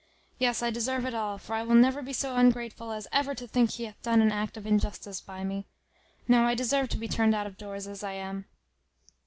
Yes, I deserve it all; for I will never be so ungrateful as ever to think he hath done an act of injustice by me. No, I deserve to be turned out of doors, as I am.